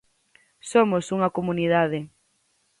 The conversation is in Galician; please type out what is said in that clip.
Somos unha comunidade.